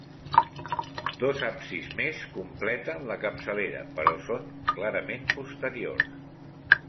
Dos absis més completen la capçalera, però són clarament posteriors.